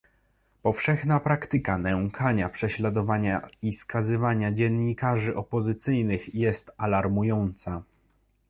Powszechna praktyka nękania, prześladowania i skazywania dziennikarzy opozycyjnych jest alarmująca